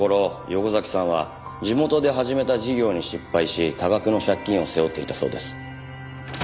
横崎さんは地元で始めた事業に失敗し多額の借金を背負っていたそうです。